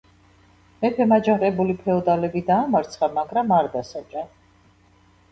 მეფემ აჯანყებული ფეოდალები დაამარცხა, მაგრამ არ დასაჯა.